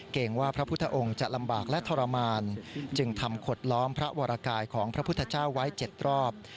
ว่าพระพุทธองค์จะลำบากและทรมานจึงทำขดล้อมพระวรกายของพระพุทธเจ้าไว้๗รอบ